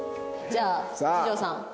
じゃあ一条さん